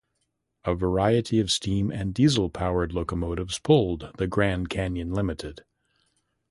A variety of steam- and diesel-powered locomotives pulled the "Grand Canyon Limited".